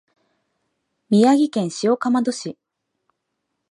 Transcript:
宮城県塩竈市